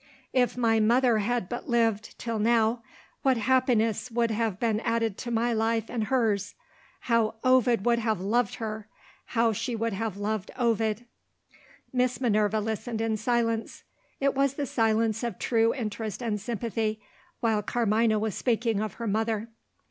If my mother had but lived till now, what happiness would have been added to my life and to hers! How Ovid would have loved her how she would have loved Ovid!" Miss Minerva listened in silence. It was the silence of true interest and sympathy, while Carmina was speaking of her mother.